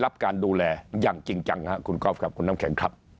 รับการดูแลอย่างจริงจังครับคุณก๊อฟครับคุณน้ำแข็งครับ